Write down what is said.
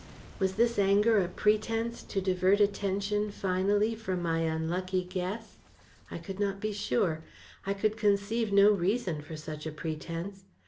Was this anger a pretence to divert attention finally from my unlucky guess? I could not be sure. I could conceive no reason for such a pretence.